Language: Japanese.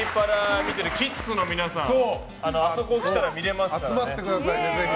見ているキッズの皆さんあそこ来たら見れますからね。